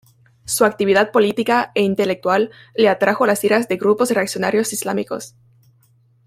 Su actividad política e intelectual le atrajo las iras de grupos reaccionarios islámicos.